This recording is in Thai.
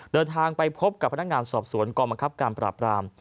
เดินทางไปพบกับพนักงานสอบสวนกองบังคับการปราบราม